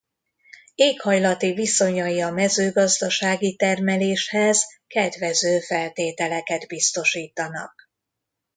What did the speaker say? Éghajlati viszonyai a mezőgazdasági termeléshez kedvező feltételeket biztosítanak.